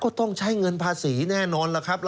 ต้องใช้เงินภาษีแน่นอนล่ะครับ